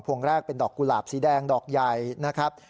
วงแรกเป็นดอกกุหลาบสีแดงดอกใหญ่นะครับ